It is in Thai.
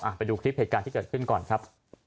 ไปดูคลิปเหตุการณ์ที่เกิดขึ้นก่อนครับ